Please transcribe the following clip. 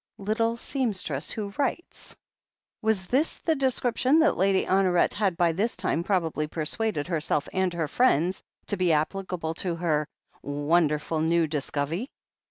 Little seamstress who writes ! Was this the description that Lady Honoret had by this time probably persuaded herself and her friends to be applicable to her "wonderful new discove'y"